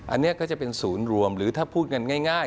อันนี้ก็จะเป็นศูนย์รวมหรือถ้าพูดกันง่าย